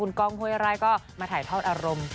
คุณกล้องโฮยรายก็มาถ่ายทอดอารมณ์